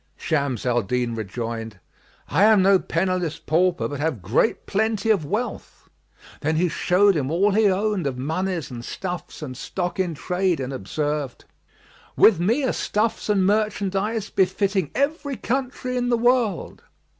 Shams al Din rejoined, "I am no penniless pauper but have great plenty of wealth;" then he showed him all he owned of monies and stuffs and stock in trade and observed, "With me are stuffs and merchandise befitting every country in the world."